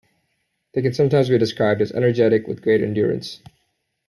They can sometimes be described as energetic with great endurance.